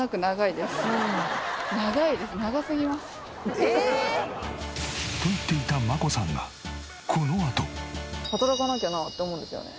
ええ！と言っていた真子さんがこのあと。働かなきゃなと思うんですよね。